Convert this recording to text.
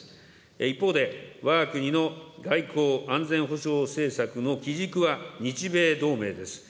一方で、わが国の外交・安全保障政策の基軸は日米同盟です。